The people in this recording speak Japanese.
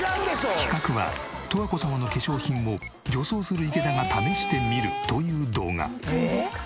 企画は「十和子様の化粧品を女装する池田が試してみる」という動画。